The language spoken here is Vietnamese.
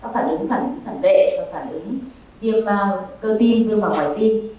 phản ứng phản vệ và phản ứng viêm cơ tim viêm vào ngoài tim